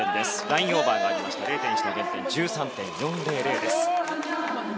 ラインオーバーがありまして０．１の減点１３．４００です。